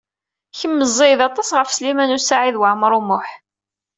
Kemm meẓẓiyeḍ aṭas ɣef Sliman U Saɛid Waɛmaṛ U Muḥ.